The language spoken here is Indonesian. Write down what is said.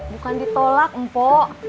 bukan ditolak empo